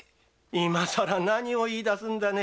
今さら何を言い出すんだね。